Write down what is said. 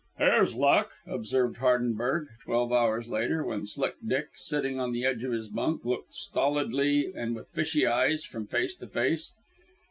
"Here's luck," observed Hardenberg, twelve hours later, when Slick Dick, sitting on the edge of his bunk, looked stolidly and with fishy eyes from face to face.